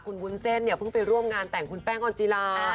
คุณวุลเสธพึ่งไปร่วมงานแต่งคุณแป้งออนจิรา